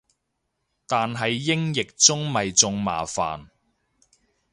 但係英譯中咪仲麻煩